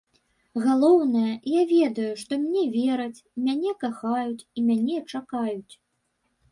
Галоўнае, я ведаю, што мне вераць, мяне кахаюць і мяне чакаюць.